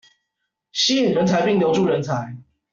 吸引人才並留住人才